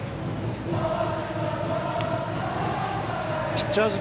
ピッチャーズ